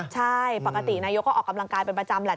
ใช่ปกตินายกก็ออกกำลังกายเป็นประจำแหละ